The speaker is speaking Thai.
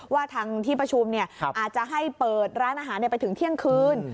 ว่าทางที่ประชุมอาจจะให้เปิดร้านอาหารไปถึงเที่ยงคืน